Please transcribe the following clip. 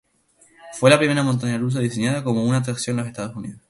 Fue la primera montaña rusa diseñada como una atracción en los Estados Unidos.